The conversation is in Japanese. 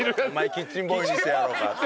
キッチンボーイにしてやろうかって。